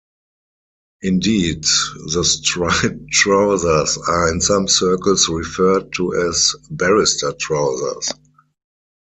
Indeed, the striped trousers are in some circles referred to as "barrister trousers".